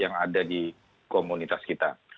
yang ada di komunitas kita